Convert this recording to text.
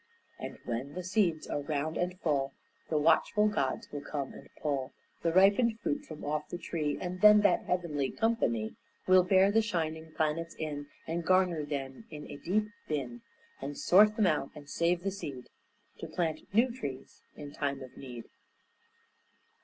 And when the seeds are round and full The watchful gods will come and pull The ripened fruit from off the tree; And then that heavenly company Will bear the shining planets in And garner them in a deep bin And sort them out, and save the seed To plant new trees in time of need.